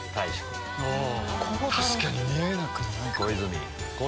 確かに見えなくもない。